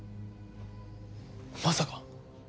まさか！